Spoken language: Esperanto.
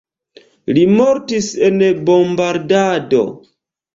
Li mortis en bombardado.